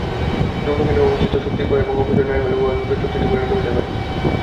যৌনকেন্দ্রে অবস্থিত শক্তির ক্ষয় এবং অপচয় না হইলে উহাই ওজঃশক্তিতে পরিণত হইতে পারে।